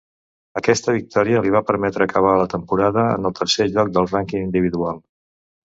Aquesta victòria li va permetre acabar la temporada en el tercer lloc del rànquing individual.